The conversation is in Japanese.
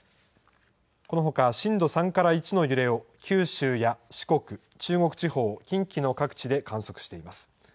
このほか、震度３から１の揺れを、九州や四国、中国地方、近畿の各地で観測しています。